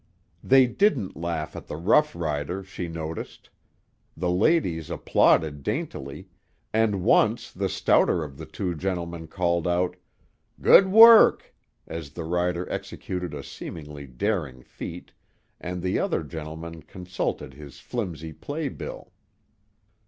They didn't laugh at the rough rider, she noticed. The ladies applauded daintily, and once the stouter of the two gentlemen called out: "Good work!" as the rider executed a seemingly daring feat, and the other gentleman consulted his flimsy play bill.